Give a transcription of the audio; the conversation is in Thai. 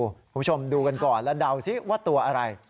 คุณผู้ชมดูกันก่อนแล้วเดาซิว่าตัวอะไร